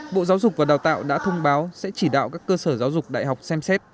bộ giáo dục và đào tạo đã thông báo sẽ chỉ đạo các cơ sở giáo dục đại học xem xét